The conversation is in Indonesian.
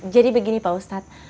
jadi begini pak ustadz